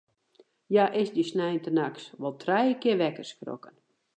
Hja is dy sneintenachts wol trije kear wekker skrokken.